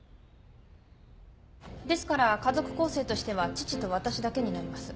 ですから家族構成としては父と私だけになります。